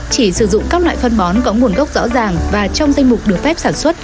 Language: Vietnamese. chỉ sử dụng các loại phân bón có nguồn gốc rõ ràng và trong danh mục được phép sản xuất